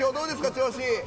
調子。